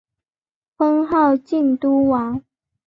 封号靖都王。